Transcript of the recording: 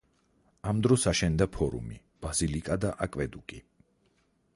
ამ დროს აშენდა ფორუმი, ბაზილიკა და აკვედუკი.